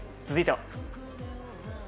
続いては。